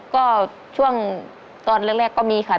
ก็ช่วงตอนแรกก็มีค่ะ